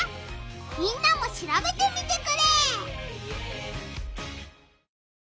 みんなも調べてみてくれ！